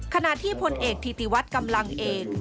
ขณะที่พลเอกธิติวัฒน์กำลังเอง